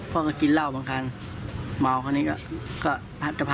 พ่อก็กินเหล้าบางท